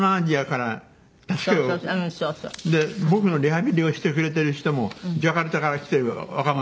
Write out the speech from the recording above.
で僕のリハビリをしてくれている人もジャカルタから来ている若者。